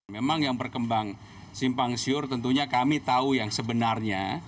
memang yang berkembang simpang siur tentunya kami tahu yang sebenarnya